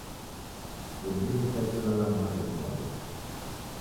Idirisha jelala mwari ikwau